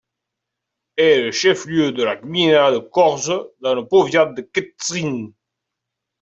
Elle est le chef-lieu de la gmina de Korsze, dans le powiat de Kętrzyn.